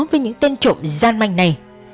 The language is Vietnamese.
với những tên trộm gian manh này